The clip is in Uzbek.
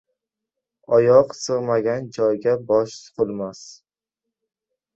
• Oyoq sig‘magan joyga bosh suqilmas.